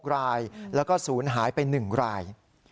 ๖รายแล้วก็ศูนย์หายไป๑ราย